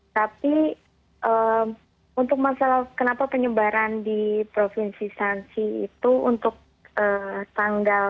tapi untuk masalah kenapa penyebaran di provinsi sansi itu untuk tanggal